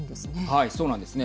そうなんですね。